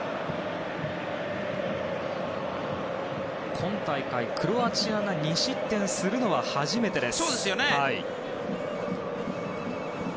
今大会、クロアチアが２失点するのは初めてです。